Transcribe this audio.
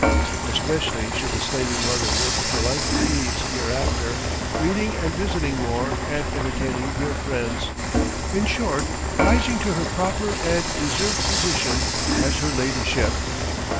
Especially should the slaving mother live the life of ease hereafter, reading and visiting more and entertaining dear friends in short, rising to her proper and deserved position as Her Ladyship.